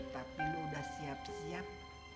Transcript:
tapi lu udah siap siap